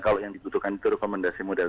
kalau yang dibutuhkan itu rekomendasi model